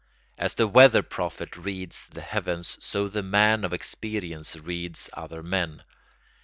As the weather prophet reads the heavens so the man of experience reads other men.